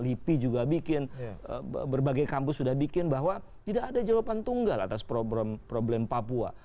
lipi juga bikin berbagai kampus sudah bikin bahwa tidak ada jawaban tunggal atas problem papua